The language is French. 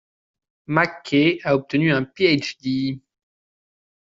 McKay a obtenu un Ph.D.